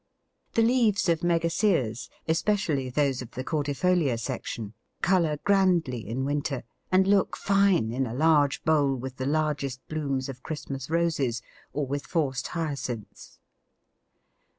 The leaves of Megaseas, especially those of the cordifolia section, colour grandly in winter, and look fine in a large bowl with the largest blooms of Christmas Roses, or with forced Hyacinths.